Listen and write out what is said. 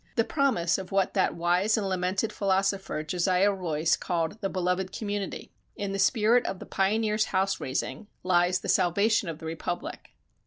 The promise of what that wise and lamented philosopher, Josiah Royce called, "the beloved community." In the spirit of the pioneer's "house raising" lies the salvation of the Republic.